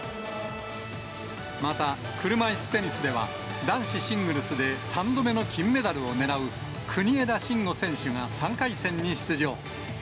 また、車いすテニスでは、男子シングルスで３度目の金メダルを狙う、国枝慎吾選手が３回戦に出場。